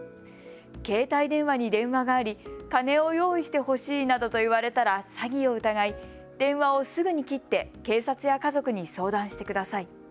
携帯電話に電話があり金を用意してほしいなどと言われたら詐欺を疑い電話をすぐに切って警察や家族に相談してください。